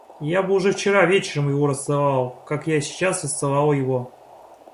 Я бы уже вчера вечером его расцеловал, как я сейчас расцеловал его.